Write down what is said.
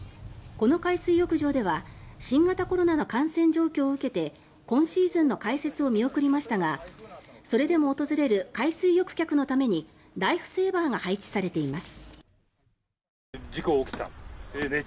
この海水浴場では新型コロナの感染状況を受けて今シーズンの開設を見送りましたがそれでも訪れる海水浴客のためにライフセーバーが配置されています。